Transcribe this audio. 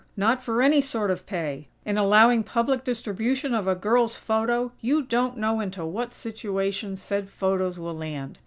Not for any sort of pay!! In allowing public distribution of a girl's photo you don't know into what situations said photos will land.